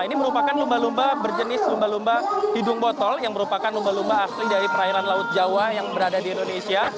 ini merupakan lumba lumba berjenis lumba lumba hidung botol yang merupakan lumba lumba asli dari perairan laut jawa yang berada di indonesia